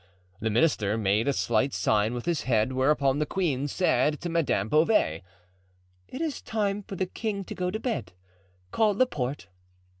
The minister made a slight sign with his head, whereupon the queen said to Madame Beauvais: "It is time for the king to go to bed; call Laporte."